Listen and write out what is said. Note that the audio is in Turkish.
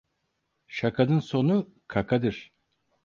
Şakanın sonu kakadır.